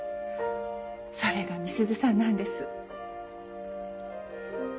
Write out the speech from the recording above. それが美鈴さんなんです。